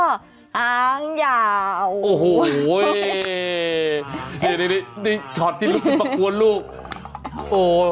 ข้างยาวโอ้โหโอ้โฮเฮ้นี่ช็อตที่รู้แต่ประกวนลูกโอ้